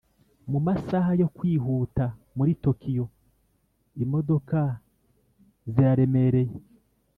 mu masaha yo kwihuta muri tokiyo, imodoka ziraremereye.